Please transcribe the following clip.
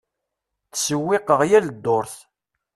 Ttsewwiqeɣ yal ddurt.